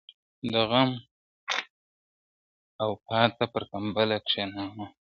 د غم او پاتا پر کمبله کښېناوه ,